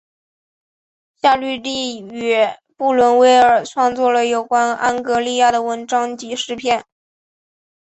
夏绿蒂与布伦威尔创作了有关安格利亚的文章及诗篇。